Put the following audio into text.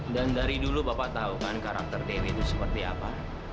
dan dari dulu bapak tahu kan karakter dewi itu seperti apa